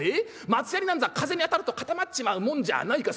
松ヤニなんざ風に当たると固まっちまうもんじゃないか。